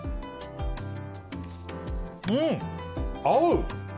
うん、合う！